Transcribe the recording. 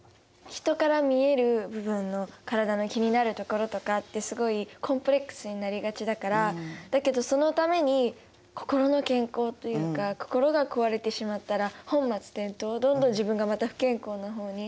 人から見える部分のからだの気になるところとかってすごいコンプレックスになりがちだからだけどそのために心の健康というか心が壊れてしまったら本末転倒どんどん自分がまた不健康な方に。